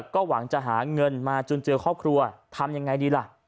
ก็หวังจะหาเงินมาจุนเจือครอบครัวทำยังไงดีล่ะ